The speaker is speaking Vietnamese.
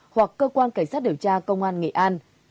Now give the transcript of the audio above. hoặc cơ quan cảnh sát điều tra công an nghệ an